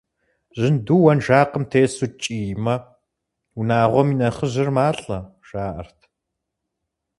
Жьынду уэнжакъым тесу кӀиймэ, унагъуэм и нэхъыжьыр малӀэ, жаӀэрт.